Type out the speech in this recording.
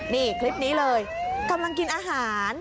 นี่คลิปนี้เลยกำลังกินอาหาร